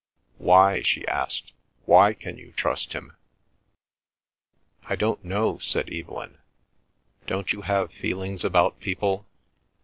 "Why?" she asked. "Why can you trust him?" "I don't know," said Evelyn. "Don't you have feelings about people?